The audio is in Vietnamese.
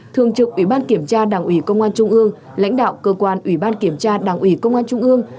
thường trực ủy ban kiểm tra đảng ủy công an trung ương lãnh đạo cơ quan ủy ban kiểm tra đảng ủy công an trung ương